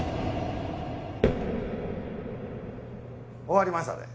終わりましたで。